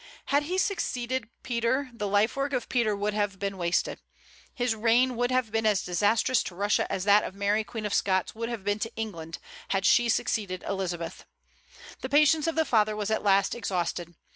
Had he succeeded Peter, the life work of Peter would have been wasted. His reign would have been as disastrous to Russia as that of Mary Queen of Scots would have been to England, had she succeeded Elizabeth. The patience of the father was at last exhausted.